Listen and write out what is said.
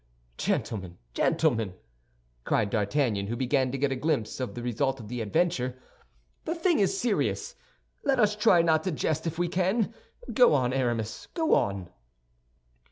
"Gentlemen, gentlemen," cried D'Artagnan, who began to get a glimpse of the result of the adventure, "the thing is serious. Let us try not to jest, if we can. Go on Aramis, go on."